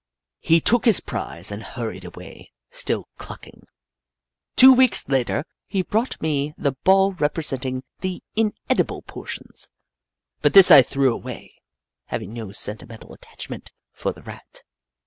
He took his prize and hurried away, still clucking. Two weeks later, he brought me the ball rep resenting the inedible portions, but this I threw away, having no sentimental attachment for the Rat.